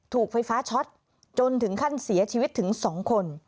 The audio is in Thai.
ถูกไฟฟ้าช็อตจนถึงขั้นเสียชีวิตถึง๒คน